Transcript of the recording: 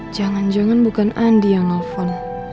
jangan jangan bukan andi yang nelfon